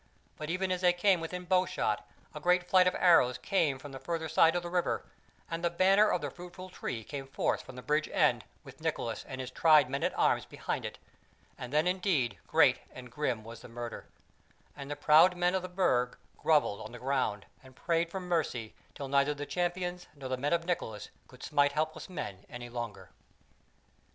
But even as they came within bowshot, a great flight of arrows came from the further side of the water, and the banner of the Fruitful Tree came forth from the bridge end with Nicholas and his tried men at arms behind it; and then indeed great and grim was the murder, and the proud men of the Burg grovelled on the ground and prayed for mercy till neither the Champions nor the men of Nicholas could smite helpless men any longer.